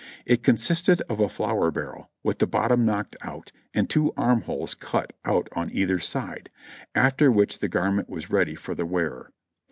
It consisted of a flour barrel with the bottom knocked out and two armholes cut out on either side, after which the garment was ready for the wearer.